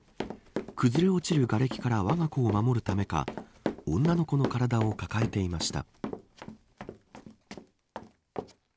崩れ落ちるがれきからわが子を守るためか女の子の体を抱えていました。